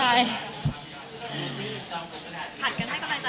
ผัดกันให้กำลังใจกันไปนะช่วงนี้นะครับ